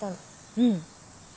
うん。